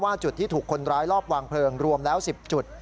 จุดที่ถูกคนร้ายรอบวางเพลิงรวมแล้ว๑๐จุด